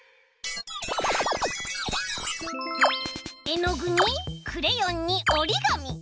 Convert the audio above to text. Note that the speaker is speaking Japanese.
えのぐにクレヨンにおりがみ。